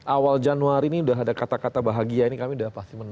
awal januari ini sudah ada kata kata bahagia ini kami sudah pasti menang